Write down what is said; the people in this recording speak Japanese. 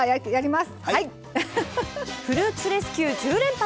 「フルーツレスキュー１０連発」。